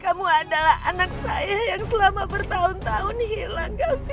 kamu adalah anak saya yang selama bertahun tahun hilang